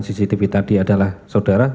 cctv tadi adalah saudara